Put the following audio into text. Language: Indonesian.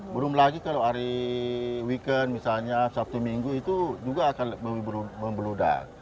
belum lagi kalau hari weekend misalnya sabtu minggu itu juga akan membeludak